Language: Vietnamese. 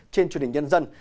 trên truyền hình nhân dân